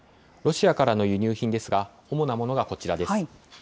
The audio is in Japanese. ロシアからの輸入品ですが、主なものがこちらです。